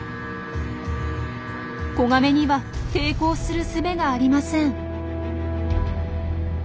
子ガメには抵抗するすべがありません。